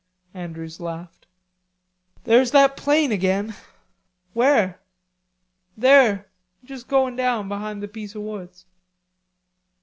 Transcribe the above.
Andrews laughed. "There's that plane again." "Where?" "There, just goin' down behind the piece o' woods."